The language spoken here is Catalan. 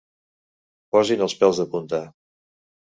Posin els pèls de punta.